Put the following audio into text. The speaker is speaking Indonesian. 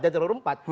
dan terlalu rempat